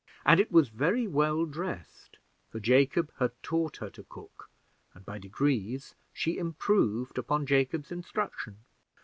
And it was very well dressed: for Jacob had taught her to cook, and by degrees she improved upon Jacob's instruction.